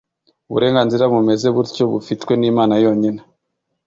Uburenganzira bumeze butyo bufitwe n'Imana yonyine.